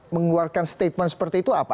mengeluarkan statement seperti itu apa